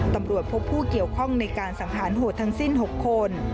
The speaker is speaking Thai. ตำรวจพบผู้เกี่ยวข้องในการสังหารโหดทั้งสิ้น๖คน